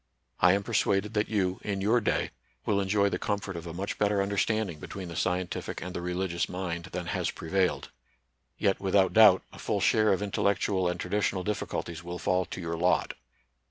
I am persuaded that you, in NATURAL SCIENCE AND RELIGION. Ill your day, will enjoy the comfort of a much better understanding between the scientific and the religious mind than has prevailed. Yet without doubt a full share of intellectual and traditional difiiculties will fall to your lot.